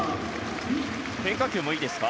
変化球もいいですか？